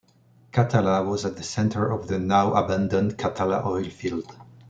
Katalla was at the center of the now-abandoned Katalla oil field.